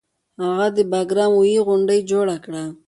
هغه د باګرام اوویی غونډه جوړه کړه